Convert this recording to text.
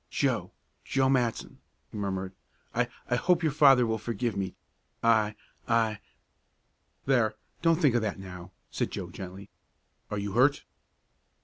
"Joe Joe Matson!" he murmured. "I I hope your father will forgive me. I I " "There, don't think of that now," said Joe gently. "Are you hurt?"